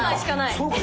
あそうか。